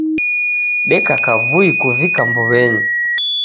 Deka kavui kuvika mbuwenyi.